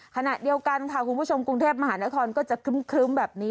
ขณะเดียวกันค่ะคุณผู้ชมกรุงเทพมหานครก็จะครึ้มแบบนี้